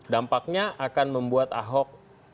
dampaknya akan membuat ahok